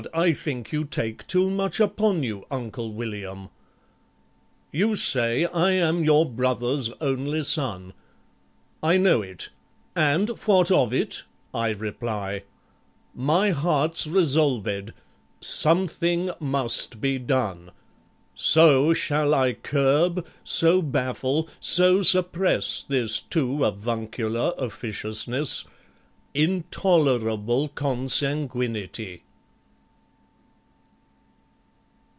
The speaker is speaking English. I think you take Too much upon you, Uncle William! You say I am your brother's only son. I know it. And, "What of it?" I reply. My heart's resolved. Something must be done. So shall I curb, so baffle, so suppress This too avuncular officiousness, Intolerable consanguinity.